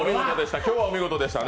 今日はお見事でしたね。